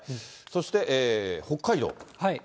そして北海道。